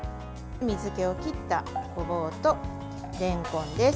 水けを切ったごぼうとれんこんです。